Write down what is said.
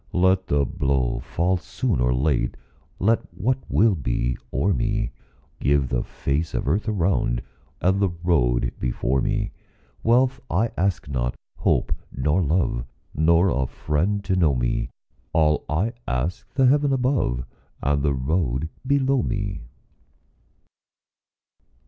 Let the blow fall soon or late, Let what will be o'er me; Give the face of earth around, And the road before me. Wealth I ask not, hope nor love, Nor a friend to know me; All I ask, the heaven above And the road below me.